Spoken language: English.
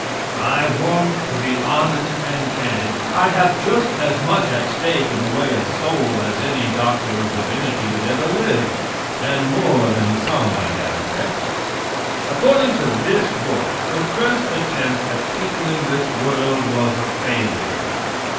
I want to be honest and candid. I have just as much at stake in the way of soul as any doctor of divinity that ever lived, and more than some I have met. According to this book, the first attempt at peopling this world was a failure.